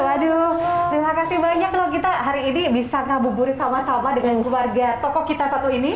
waduh terima kasih banyak loh kita hari ini bisa ngabuburit sama sama dengan keluarga toko kita satu ini